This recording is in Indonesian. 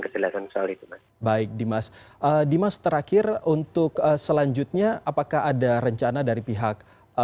kecelakaan sekali itu baik baik dimas dimas terakhir untuk selanjutnya apakah ada rencana dari pihak